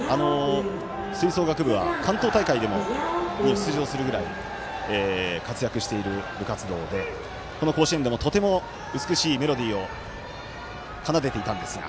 吹奏楽部は関東大会にも出場するぐらい活躍している部活動で、この甲子園でもとても美しいメロディーを奏でていたんですが。